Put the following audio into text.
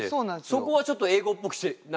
そこはちょっと英語っぽく何か。